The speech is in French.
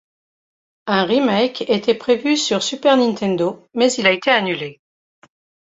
Un remake était prévu sur Super Nintendo, mais il a été annulé.